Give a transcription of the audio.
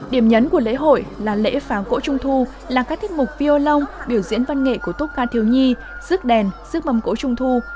điểm nhấn của lễ hội là lễ pháo cổ trung thu là các thiết mục viô long biểu diễn văn nghệ của tốt ca thiếu nhi rước đèn rước mầm cổ trung thu